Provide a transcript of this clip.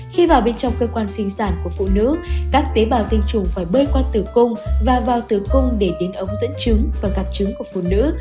khi vào bên trong cơ quan sinh sản của phụ nữ các tế bào tinh trùng phải bơi qua tử cung và vào tử cung để đến ống dẫn chứng và gặp trứng của phụ nữ